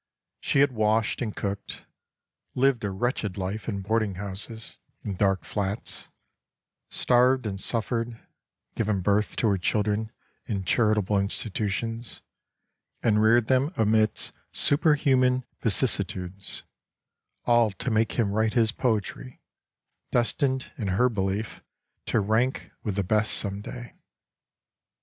She had washed, and cooked, lived a wretched life in boarding houses and dark flats, starved and suffered, given birth to her children in charitable institutions, and reared them amidst super human vicissitudes, all to make him write his poetry, des tined, in her belief, to rank with the best some day.